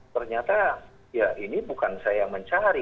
ternyata ya ini bukan saya yang mencari